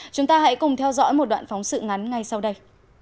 chúng ta hãy cùng theo dõi một đoạn phóng sự ngắn ngay sau đây